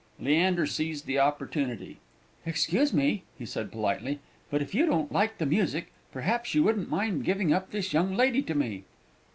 Leander seized the opportunity. "Excuse me," he said politely, "but if you don't like the music, perhaps you wouldn't mind giving up this young lady to me?"